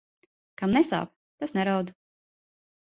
Kam nesāp, tas neraud.